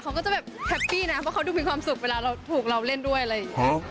เขาก็จะแบบแฮปปี้นะเพราะเขาดูมีความสุขเวลาเราถูกเราเล่นด้วยอะไรอย่างนี้